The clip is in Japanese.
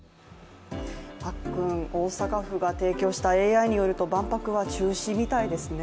大阪府が提供したＡＩによると万博は中止みたいですね。